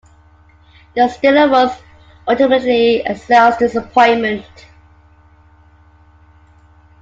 The Stilo was ultimately a sales disappointment.